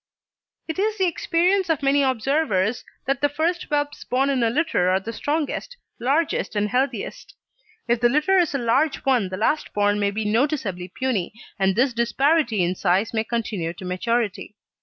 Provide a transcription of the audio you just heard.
It is the experience of many observers that the first whelps born in a litter are the strongest, largest, and healthiest. If the litter is a large one, the last born may be noticeably puny, and this disparity in size may continue to maturity.